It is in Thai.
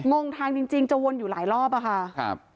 งงทางจริงจะวนอยู่หลายรอบอะค่ะครับ